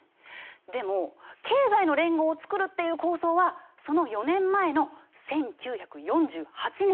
でも経済の連合を作るっていう構想はその４年前の１９４８年に遡るの。